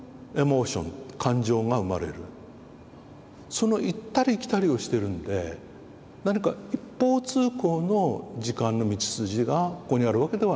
その行ったり来たりをしてるんで何か一方通行の時間の道筋がここにあるわけではない。